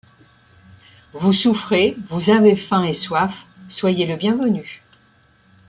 Vous souffrez, vous avez faim et soif ; soyez le bienvenu.